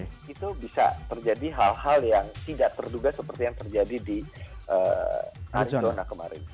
itu bisa terjadi hal hal yang tidak terduga seperti yang terjadi di arizona kemarin